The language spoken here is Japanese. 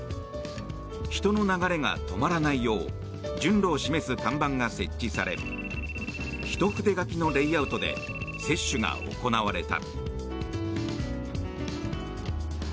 人の流れが止まらないよう順路を示す看板が設置されひと筆書きのレイアウトで接種が行われた。